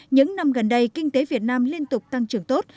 những năm gần đây kinh tế việt nam liên tục tăng trưởng tốt